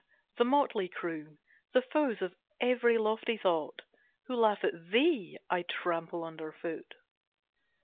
The motley crew, The foes of every lofty thought, Who laugh at thee, I trample under foot.